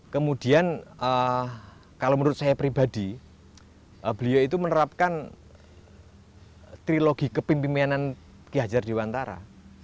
kemudian kalau menurut saya pribadi beliau itu menerapkan trilogi kepimpinan ki hajar diwantara